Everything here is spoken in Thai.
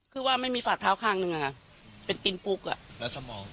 คือว่าไม่มีฝาดเท้าข้างหนึ่งอ่ะเป็นกินปุ๊กอ่ะ